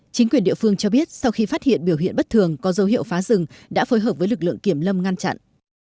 chính quyền địa phương cho biết sau khi phát hiện biểu hiện bất thường có dấu hiệu phá rừng đã phối hợp với lực lượng kiểm lâm ngăn chặn